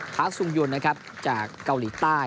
พาสสุงยนนะครับจากเกาหลีใต้